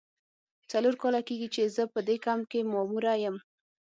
څلور کاله کیږي چې زه په دې کمپ کې ماموره یم.